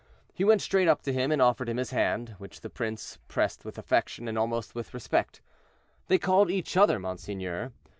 He went straight up to him and offered him his hand, which the prince pressed with affection, and almost with respect. They called each other "Monseigneur."